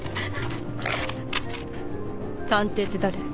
探偵って誰？